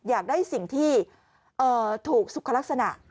อยากได้สิ่งที่ถูกสุขลักษณะ